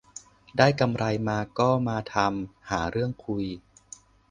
ได้กำไรมาก็มาทำ หาเรื่องคุย